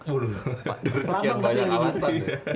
udah sekian banyak alasan